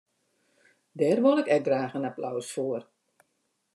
Dêr wol ik ek graach in applaus foar.